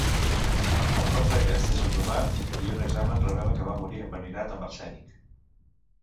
El cos d'aquest és exhumat i un examen revela que va morir enverinat amb arsènic.